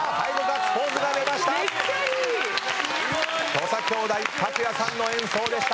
土佐兄弟卓也さんの演奏でした。